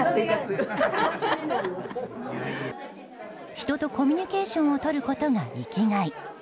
人とコミュニケーションをとることが生きがい。